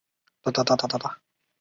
戈雅克。